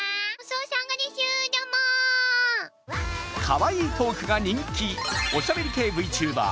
かわいいトークが人気おしゃべり系ＶＴｕｂｅｒ